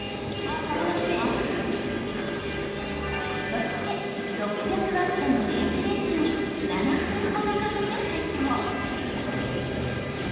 そして、６００ワットの電子レンジに７分ほどかけて解凍。